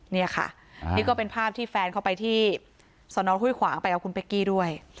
นี่ค่ะนี่ก็เป็นภาพที่แฟนเขาไปที่สนห้วยขวางไปเอาคุณเป๊กกี้ด้วย